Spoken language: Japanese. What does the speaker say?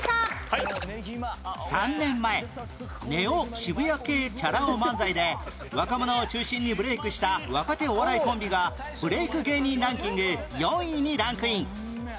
３年前ネオ渋谷系チャラ男漫才で若者を中心にブレークした若手お笑いコンビがブレイク芸人ランキング４位にランクイン